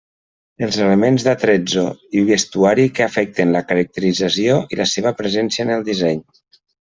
Els elements d'attrezzo i vestuari que afecten la caracterització i la seva presència en el disseny.